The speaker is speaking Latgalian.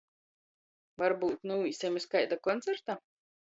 Varbyut nūīsim iz kaida koncerta?